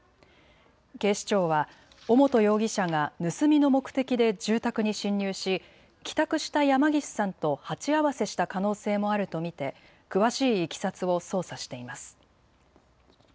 警視庁は尾本容疑者が盗みの目的で住宅に侵入し帰宅した山岸さんと鉢合わせした可能性もあると見て詳しいいきさつを捜査しています。